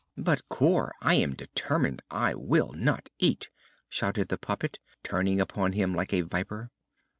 "But core I am determined I will not eat," shouted the puppet, turning upon him like a viper.